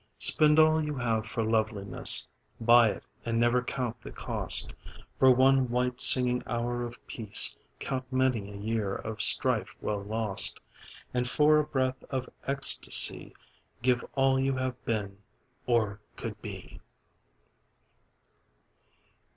Spend all you have for loveliness, Buy it and never count the cost; For one white singing hour of peace Count many a year of strife well lost, And for a breath of ecstasy Give all you have been, or could be.